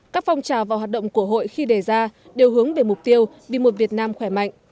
các phong trào và hoạt động của hội khi đề ra đều hướng về mục tiêu vì một việt nam khỏe mạnh